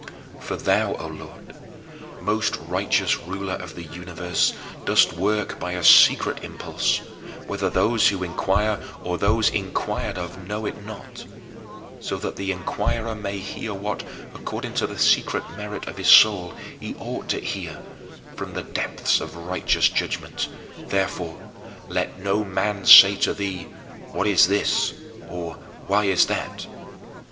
For thou, O Lord, most righteous ruler of the universe, dost work by a secret impulse whether those who inquire or those inquired of know it or not so that the inquirer may hear what, according to the secret merit of his soul, he ought to hear from the deeps of thy righteous judgment. Therefore let no man say to thee, "What is this?" or, "Why is that?"